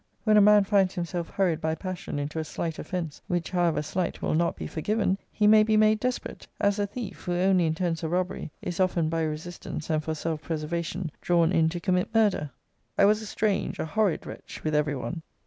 When a man finds himself hurried by passion into a slight offence, which, however slight, will not be forgiven, he may be made desperate: as a thief, who only intends a robbery, is often by resistance, and for self preservation, drawn in to commit murder. I was a strange, a horrid wretch, with every one.